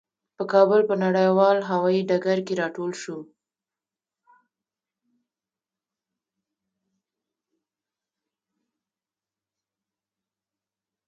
په کابل په نړیوال هوايي ډګر کې راټول شوو.